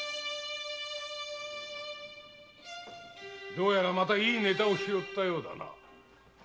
どうやらまたいいネタを拾ったようだな。